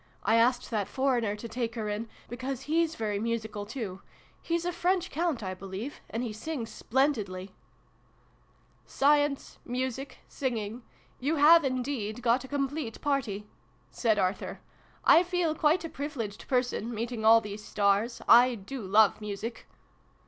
I asked that foreigner to take her in, because hes very musical, too. He's a French Count, I believe ; and he sings splendidly !"" Science music singing you have in deed got a complete party !" said Arthur. " I feel quite a privileged person, meeting all these stars. I do love music